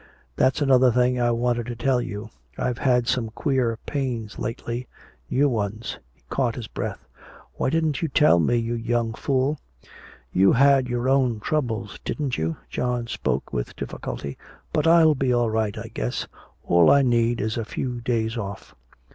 "That's another thing I wanted to tell you. I've had some queer pains lately new ones!" He caught his breath. "Why didn't you tell me, you young fool?" "You had your own troubles, didn't you?" John spoke with difficulty. "But I'll be all right, I guess! All I need is a few days off!"